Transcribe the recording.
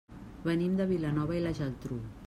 Venim de Vilanova i la Geltrú.